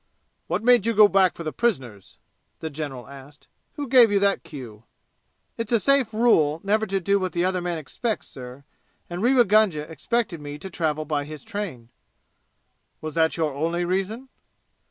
"What made you go back for the prisoners?" the general asked. "Who gave you that cue?" "It's a safe rule never to do what the other man expects, sir, and Rewa Gunga expected me to travel by his train." "Was that your only reason?"